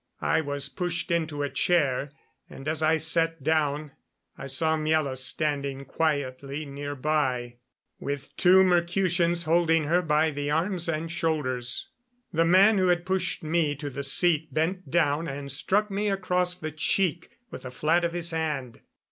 I was pushed into a chair, and as I sat down I saw Miela standing quietly near by, with two Mercutians holding her by the arms and shoulders. The man who had pushed me to the seat bent down and struck me across the cheek with the flat of his hand.